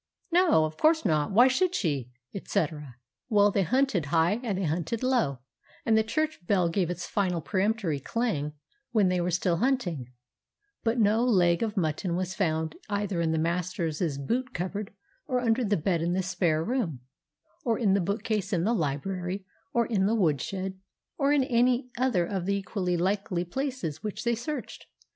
No, of course not! Why should she? etc. Well, they hunted high and they hunted low, and the church bell gave its final peremptory clang when they were still hunting, but no leg of mutton was found either in the master's boot cupboard, or under the bed in the spare room, or in the bookcase in the library, or in the woodshed, or in any other of the equally likely places which they searched.